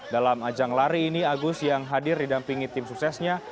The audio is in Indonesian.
dalam ajang lari ini agus yang hadir didampingi tim suksesnya